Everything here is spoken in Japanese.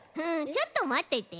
ちょっとまってて。